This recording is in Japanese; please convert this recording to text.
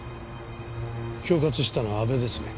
恐喝したのは阿部ですね？